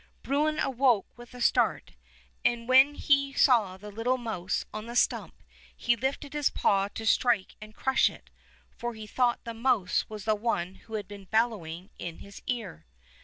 Bruin awoke with a start, and when he saw the little mouse on the stump he lifted his paw to strike and crush it, for he thought the mouse was the one who had been bellow ing into his ear.